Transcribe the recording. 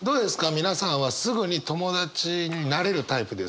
皆さんはすぐに友達になれるタイプですか？